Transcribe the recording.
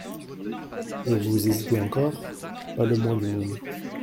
Et vous hésitez encore ? Pas le moins du monde.